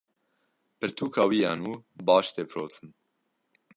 Pirtûka wî ya nû baş tê firotin.